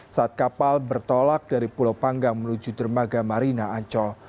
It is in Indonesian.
saat kapal bertolak dari pulau panggang menuju dermaga marina ancol